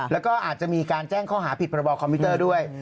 แล้วก็อาจจะมีการแจ้งข้อหาผิดประบอบคอมพิวเตอร์ด้วย